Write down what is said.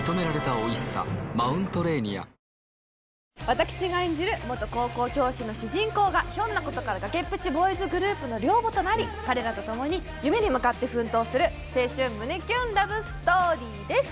私が演じる元高校教師の主人公がひょんなことから崖っぷちボーイズグループの寮母となり彼らとともに夢に向かって奮闘する青春胸キュンラブストーリーです